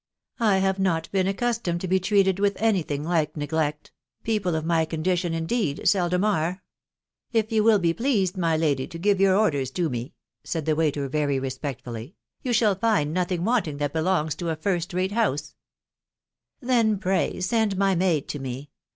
I have not been accustomed to be treated with any thing like neglect .... people of my condition, indeed, seldom are." " If you will be pleased, my lady, to give your orders to me, "said the waiter very respectfully, " you *\ia!u fitv^ utt&Rg ranting that belongs to a first rate house.0 THE WIDOW BARNABY. 97 " Then, pray, send my maid to me.